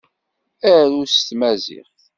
Arut s Tmaziɣt.